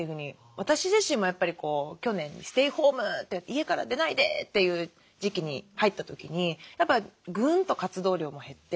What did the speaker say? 私自身もやっぱり去年ステイホーム家から出ないでという時期に入った時にやっぱぐんと活動量も減って。